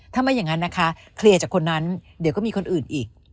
ถ้าไม่อย่างนั้นนะคะเคลียร์จากคนนั้นเดี๋ยวก็มีคนอื่นอีก